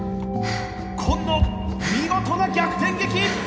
紺野見事な逆転劇！